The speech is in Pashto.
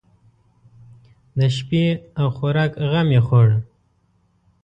د شپې او خوراک غم یې خوړ.